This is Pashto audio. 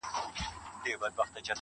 زما پر مخ بــانــدي د اوښــــــكــــــو.